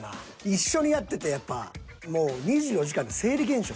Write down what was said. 一緒にやっててやっぱもう２４時間生理現象